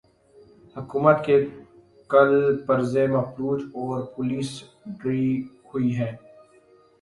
حکومت کے کل پرزے مفلوج اور پولیس ڈری ہوئی تھی۔